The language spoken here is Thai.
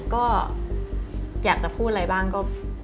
ก็อยากจะพูดอะไรบ้างก็